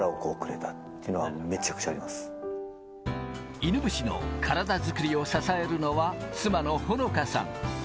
犬伏の体づくりを支えるのは妻の微さん。